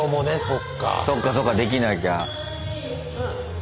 そっかそっかできなきゃ。